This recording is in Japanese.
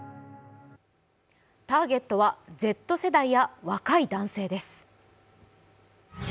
ターゲットはＺ世代や若い男性です。